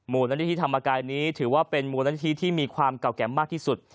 มูลนิธิธรรมกายนี้ถือว่าเป็นมูลนิธิที่มีความเก่าแก่มากที่สุด